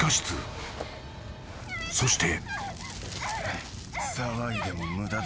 ［そして］